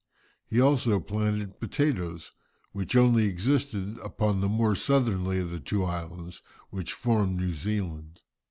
He also planted potatoes, which only existed upon the more southerly of the two islands which form New Zealand.